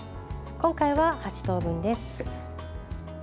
今回は８等分です。